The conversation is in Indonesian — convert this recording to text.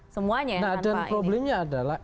semuanya nah dan problemnya adalah